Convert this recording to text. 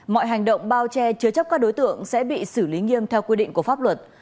mọi hành động bao che chứa chấp các đối tượng sẽ bị xử lý nghiêm theo quy định của pháp luật